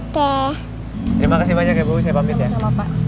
terima kasih banyak ya bu saya pamit ya